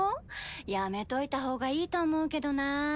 やめといた方がいいと思うけどな。